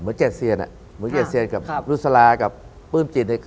เหมือนแจดเซียนอะเหมือนแจดเซียนกับนุษยากับปลื้มจิต